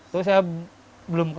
terus saya belum kenal apa apa